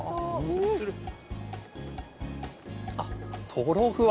とろふわ。